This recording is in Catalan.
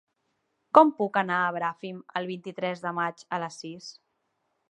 Com puc anar a Bràfim el vint-i-tres de maig a les sis?